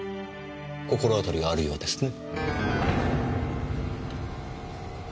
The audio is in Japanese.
心当たりがあるようですね。